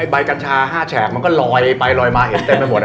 ใบกัญชา๕แฉกมันก็ลอยไปลอยมาเห็นเต็มไปหมด